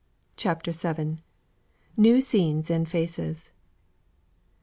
CHAPTER VII. NEW SCENES AND FACES.